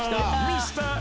ミスター